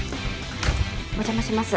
お邪魔します